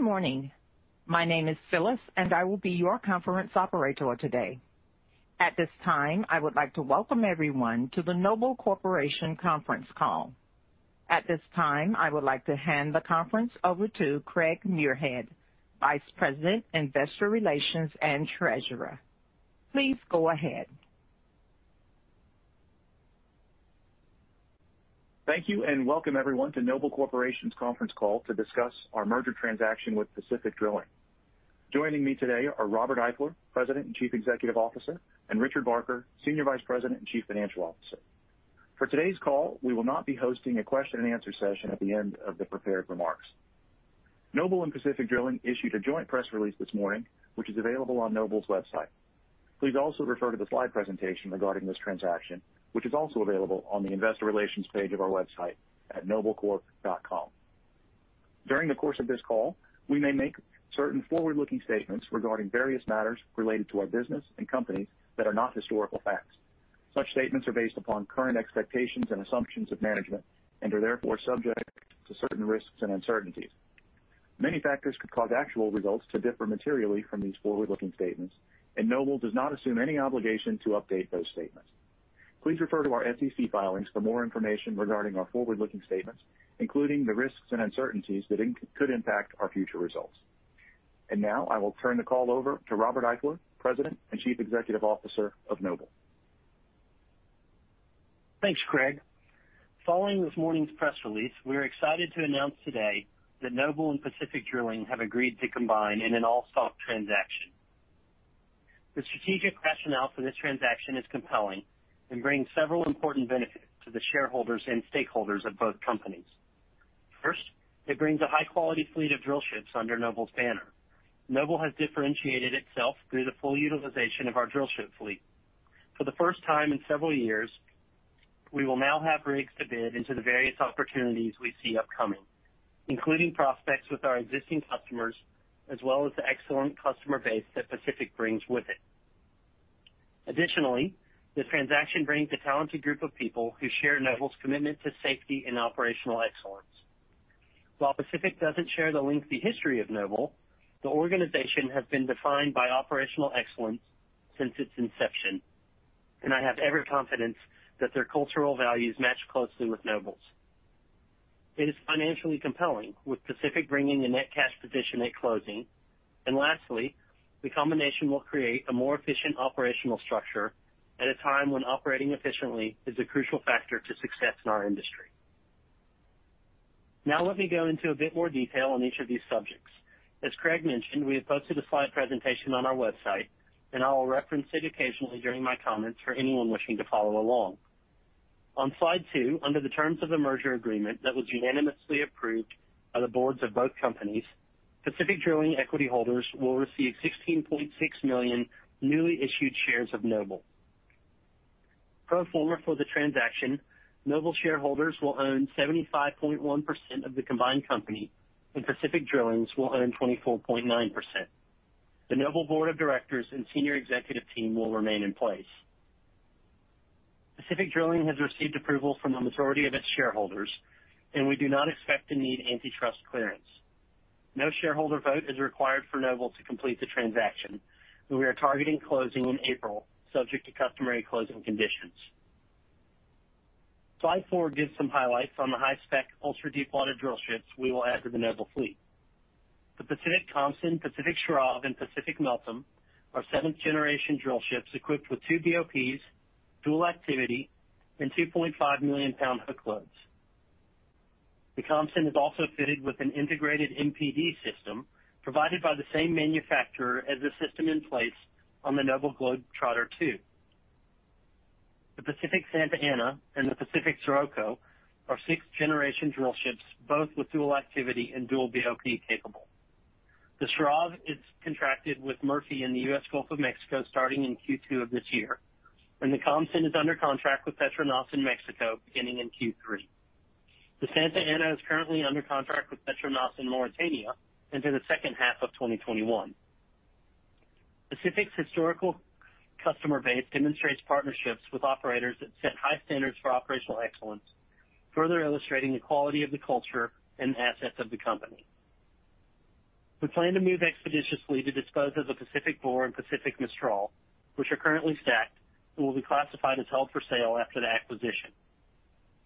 Good morning. My name is Phyllis, and I will be your conference operator today. At this time, I would like to welcome everyone to the Noble Corporation conference call. At this time, I would like to hand the conference over to Craig Muirhead, Vice President, Investor Relations and Treasurer. Please go ahead. Thank you, and welcome everyone to Noble Corporation's conference call to discuss our merger transaction with Pacific Drilling. Joining me today are Robert Eifler, President and Chief Executive Officer, and Richard Barker, Senior Vice President and Chief Financial Officer. For today's call, we will not be hosting a question-and-answer session at the end of the prepared remarks. Noble and Pacific Drilling issued a joint press release this morning, which is available on Noble's website. Please also refer to the slide presentation regarding this transaction, which is also available on the Investor Relations page of our website at noblecorp.com. During the course of this call, we may make certain forward-looking statements regarding various matters related to our business and companies that are not historical facts. Such statements are based upon current expectations and assumptions of management and are therefore subject to certain risks and uncertainties. Many factors could cause actual results to differ materially from these forward-looking statements, and Noble does not assume any obligation to update those statements. Please refer to our SEC filings for more information regarding our forward-looking statements, including the risks and uncertainties that could impact our future results. And now, I will turn the call over to Robert Eifler, President and Chief Executive Officer of Noble. Thanks, Craig. Following this morning's press release, we are excited to announce today that Noble and Pacific Drilling have agreed to combine in an all-stock transaction. The strategic rationale for this transaction is compelling and brings several important benefits to the shareholders and stakeholders of both companies. First, it brings a high-quality fleet of drillships under Noble's banner. Noble has differentiated itself through the full utilization of our drillship fleet. For the first time in several years, we will now have rigs to bid into the various opportunities we see upcoming, including prospects with our existing customers as well as the excellent customer base that Pacific brings with it. Additionally, the transaction brings a talented group of people who share Noble's commitment to safety and operational excellence. While Pacific doesn't share the lengthy history of Noble, the organization has been defined by operational excellence since its inception, and I have every confidence that their cultural values match closely with Noble's. It is financially compelling, with Pacific bringing a net cash position at closing. And lastly, the combination will create a more efficient operational structure at a time when operating efficiently is a crucial factor to success in our industry. Now, let me go into a bit more detail on each of these subjects. As Craig mentioned, we have posted a slide presentation on our website, and I will reference it occasionally during my comments for anyone wishing to follow along. On Slide 2, under the terms of the merger agreement that was unanimously approved by the boards of both companies, Pacific Drilling equity holders will receive 16.6 million newly issued shares of Noble. Pro forma for the transaction, Noble shareholders will own 75.1% of the combined company, and Pacific Drilling will own 24.9%. The Noble board of directors and senior executive team will remain in place. Pacific Drilling has received approval from the majority of its shareholders, and we do not expect to need antitrust clearance. No shareholder vote is required for Noble to complete the transaction, and we are targeting closing in April, subject to customary closing conditions. Slide 4 gives some highlights on the high-spec, ultra-deepwater drillships we will add to the Noble fleet. The Pacific Khamsin, Pacific Sharav, and Pacific Meltem are seventh-generation drillships equipped with two BOPs, dual activity, and 2.5 million-pound hookloads. The Khamsin is also fitted with an integrated MPD system provided by the same manufacturer as the system in place on the Noble Globetrotter II. The Pacific Santa Ana and the Pacific Scirocco are sixth-generation drillships, both with dual activity and dual BOP capable. The Sharav is contracted with Murphy in the U.S. Gulf of Mexico starting in Q2 of this year, and the Khamsin is under contract with Petronas in Mexico beginning in Q3. The Santa Ana is currently under contract with Petronas in Mauritania into the second half of 2021. Pacific's historical customer base demonstrates partnerships with operators that set high standards for operational excellence, further illustrating the quality of the culture and assets of the company. We plan to move expeditiously to dispose of the Pacific Bora and Pacific Mistral, which are currently stacked and will be classified as held for sale after the acquisition.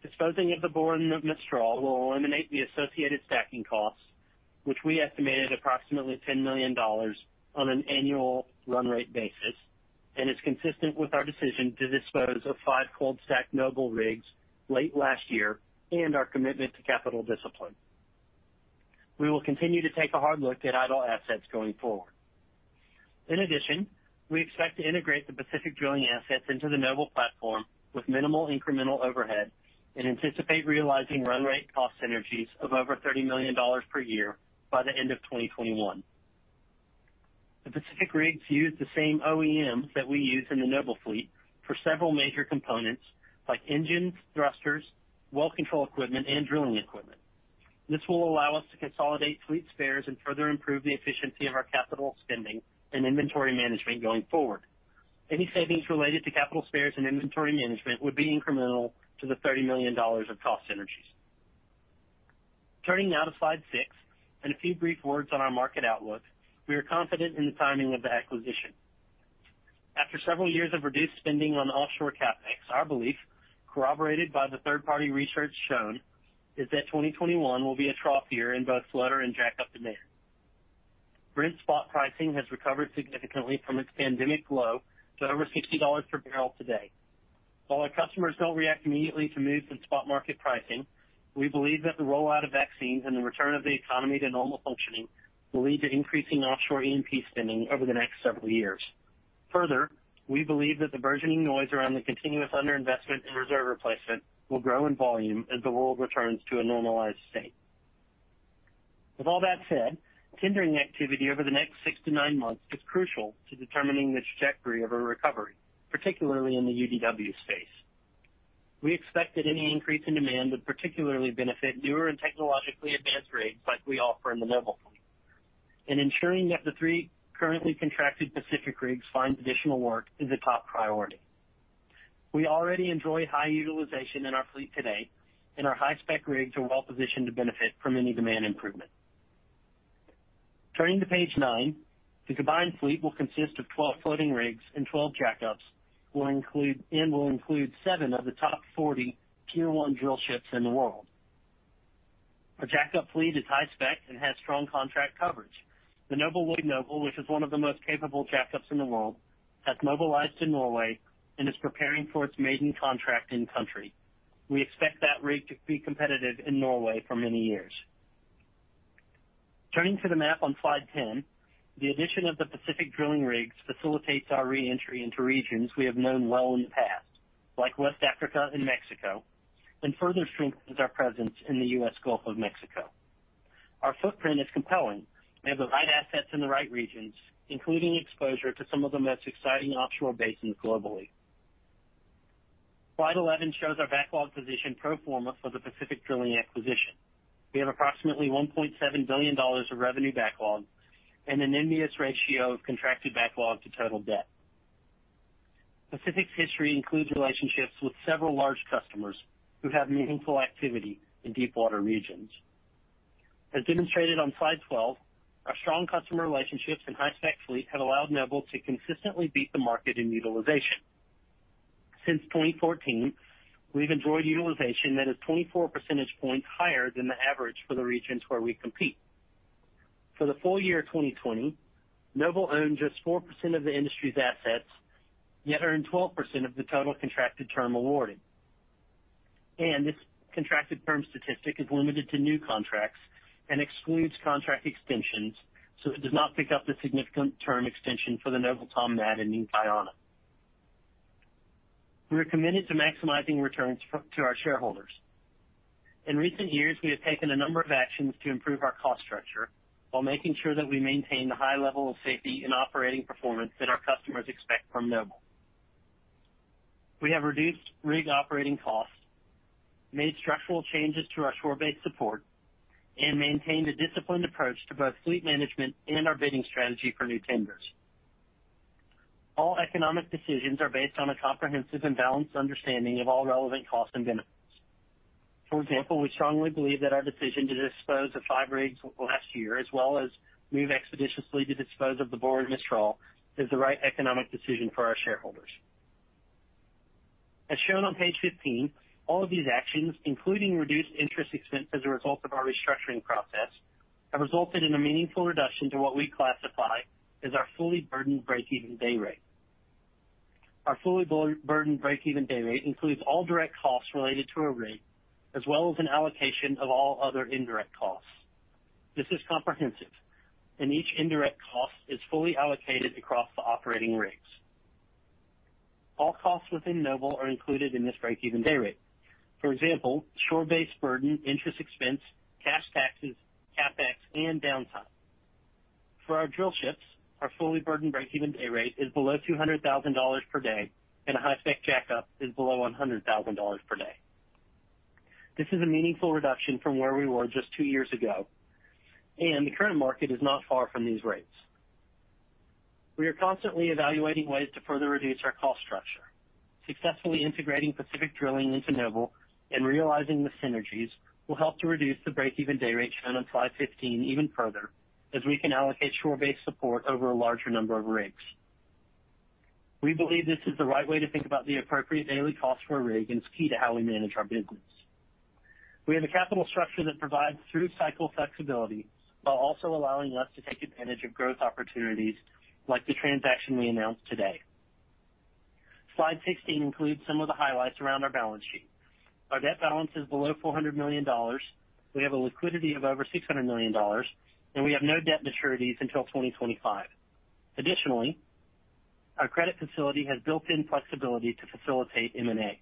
Disposing of the Bora and the Mistral will eliminate the associated stacking costs, which we estimated approximately $10 million on an annual run rate basis, and is consistent with our decision to dispose of five cold-stack Noble rigs late last year and our commitment to capital discipline. We will continue to take a hard look at idle assets going forward. In addition, we expect to integrate the Pacific Drilling assets into the Noble platform with minimal incremental overhead and anticipate realizing run rate cost synergies of over $30 million per year by the end of 2021. The Pacific rigs use the same OEMs that we use in the Noble fleet for several major components like engines, thrusters, well control equipment, and drilling equipment. This will allow us to consolidate fleet spares and further improve the efficiency of our capital spending and inventory management going forward. Any savings related to capital spares and inventory management would be incremental to the $30 million of cost synergies. Turning now to Slide 6 and a few brief words on our market outlook, we are confident in the timing of the acquisition. After several years of reduced spending on offshore CapEx, our belief, corroborated by the third-party research shown, is that 2021 will be a trough year in both floater and jackup demand. Brent spot pricing has recovered significantly from its pandemic low to over $60 per barrel today. While our customers don't react immediately to moves in spot market pricing, we believe that the rollout of vaccines and the return of the economy to normal functioning will lead to increasing offshore E&P spending over the next several years. Further, we believe that the burgeoning noise around the continuous underinvestment and reserve replacement will grow in volume as the world returns to a normalized state. With all that said, tendering activity over the next six to nine months is crucial to determining the trajectory of a recovery, particularly in the UDW space. We expect that any increase in demand would particularly benefit newer and technologically advanced rigs like we offer in the Noble fleet, and ensuring that the three currently contracted Pacific rigs find additional work is a top priority. We already enjoy high utilization in our fleet today, and our high-spec rigs are well positioned to benefit from any demand improvement. Turning to Page 9, the combined fleet will consist of 12 floating rigs and 12 jackups and will include seven of the top 40 Tier-1 drillships in the world. Our jackup fleet is high-spec and has strong contract coverage. The Noble Lloyd Noble, which is one of the most capable jackups in the world, has mobilized to Norway and is preparing for its maiden contract in country. We expect that rig to be competitive in Norway for many years. Turning to the map on Slide 10, the addition of the Pacific Drilling rigs facilitates our re-entry into regions we have known well in the past, like West Africa and Mexico, and further strengthens our presence in the U.S. Gulf of Mexico. Our footprint is compelling. We have the right assets in the right regions, including exposure to some of the most exciting offshore basins globally. Slide 11 shows our backlog position pro forma for the Pacific Drilling acquisition. We have approximately $1.7 billion of revenue backlog and an enviable ratio of contracted backlog to total debt. Pacific's history includes relationships with several large customers who have meaningful activity in deepwater regions. As demonstrated on Slide 12, our strong customer relationships and high-spec fleet have allowed Noble to consistently beat the market in utilization. Since 2014, we've enjoyed utilization that is 24 percentage points higher than the average for the regions where we compete. For the full year 2020, Noble owned just 4% of the industry's assets, yet earned 12% of the total contracted term awarded, and this contracted term statistic is limited to new contracts and excludes contract extensions, so it does not pick up the significant term extension for the Noble Tom Madden in Guyana. We are committed to maximizing returns to our shareholders. In recent years, we have taken a number of actions to improve our cost structure while making sure that we maintain the high level of safety and operating performance that our customers expect from Noble. We have reduced rig operating costs, made structural changes to our shore-based support, and maintained a disciplined approach to both fleet management and our bidding strategy for new tenders. All economic decisions are based on a comprehensive and balanced understanding of all relevant costs and benefits. For example, we strongly believe that our decision to dispose of five rigs last year, as well as move expeditiously to dispose of the Bora and Mistral, is the right economic decision for our shareholders. As shown on Page 15, all of these actions, including reduced interest expense as a result of our restructuring process, have resulted in a meaningful reduction to what we classify as our fully burdened break-even dayrate. Our fully burdened break-even dayrate includes all direct costs related to a rig, as well as an allocation of all other indirect costs. This is comprehensive, and each indirect cost is fully allocated across the operating rigs. All costs within Noble are included in this break-even dayrate. For example, shore-based burden, interest expense, cash taxes, CapEx, and downtime. For our drillships, our fully burdened break-even dayrate is below $200,000 per day, and a high-spec jackup is below $100,000 per day. This is a meaningful reduction from where we were just two years ago, and the current market is not far from these rates. We are constantly evaluating ways to further reduce our cost structure. Successfully integrating Pacific Drilling into Noble and realizing the synergies will help to reduce the break-even dayrate shown on slide 15 even further, as we can allocate shore-based support over a larger number of rigs. We believe this is the right way to think about the appropriate daily cost for a rig, and it's key to how we manage our business. We have a capital structure that provides through-cycle flexibility while also allowing us to take advantage of growth opportunities like the transaction we announced today. Slide 16 includes some of the highlights around our balance sheet. Our debt balance is below $400 million. We have a liquidity of over $600 million, and we have no debt maturities until 2025. Additionally, our credit facility has built-in flexibility to facilitate M&A.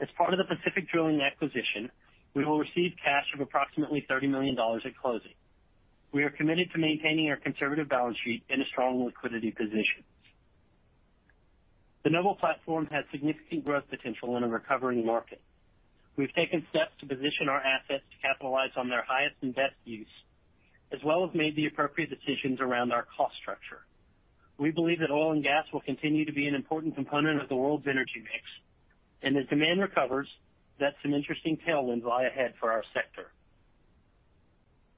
As part of the Pacific Drilling acquisition, we will receive cash of approximately $30 million at closing. We are committed to maintaining our conservative balance sheet in a strong liquidity position. The Noble platform has significant growth potential in a recovering market. We've taken steps to position our assets to capitalize on their highest and best use, as well as made the appropriate decisions around our cost structure. We believe that oil and gas will continue to be an important component of the world's energy mix, and as demand recovers, that's some interesting tailwinds lie ahead for our sector.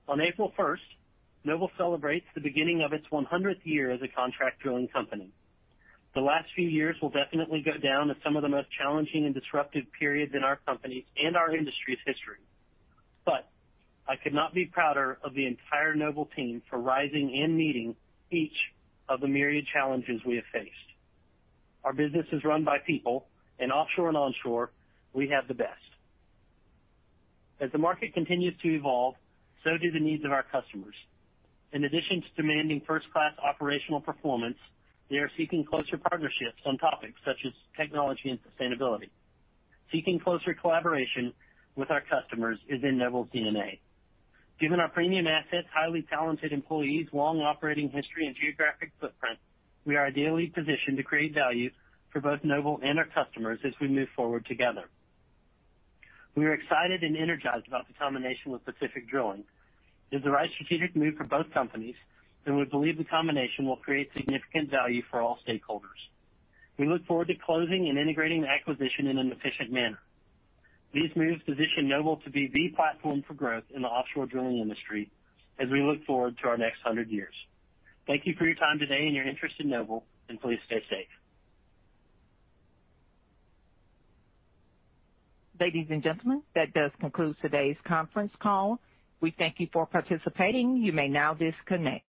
On April 1st, Noble celebrates the beginning of its 100th year as a contract drilling company. The last few years will definitely go down as some of the most challenging and disruptive periods in our company's and our industry's history. But I could not be prouder of the entire Noble team for rising and meeting each of the myriad challenges we have faced. Our business is run by people, and offshore and onshore, we have the best. As the market continues to evolve, so do the needs of our customers. In addition to demanding first-class operational performance, they are seeking closer partnerships on topics such as technology and sustainability. Seeking closer collaboration with our customers is in Noble's DNA. Given our premium assets, highly talented employees, long operating history, and geographic footprint, we are ideally positioned to create value for both Noble and our customers as we move forward together. We are excited and energized about the combination with Pacific Drilling. It is the right strategic move for both companies, and we believe the combination will create significant value for all stakeholders. We look forward to closing and integrating the acquisition in an efficient manner. These moves position Noble to be the platform for growth in the offshore drilling industry as we look forward to our next 100 years. Thank you for your time today and your interest in Noble, and please stay safe. Ladies and gentlemen, that does conclude today's conference call. We thank you for participating. You may now disconnect.